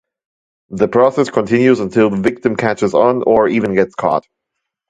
The process continues until the victim catches on, or even gets caught.